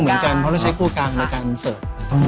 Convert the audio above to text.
เหมือนกันเพราะว่าเราใช้ครูกลางในการเสิร์ฟ